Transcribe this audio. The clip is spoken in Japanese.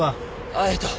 あっえっと